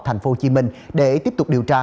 thành phố hồ chí minh để tiếp tục điều tra